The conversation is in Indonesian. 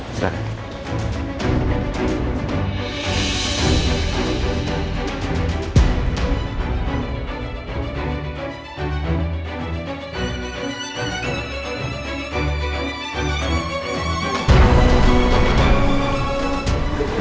kau mau ke tempat apa